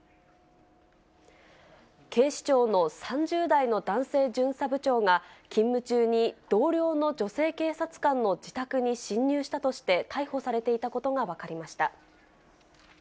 警視庁の３０代の男性巡査部長が、勤務中に、同僚の女性警察官の自宅に侵入したとして逮捕されていたことが分かりました。